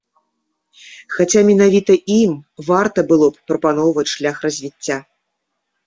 Хаця менавіта ім варта было б прапаноўваць шлях развіцця.